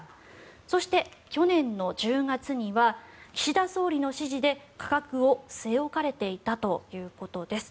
そして去年１０月には岸田総理の指示で価格を据え置かれていたということです。